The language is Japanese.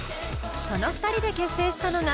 その２人で結成したのが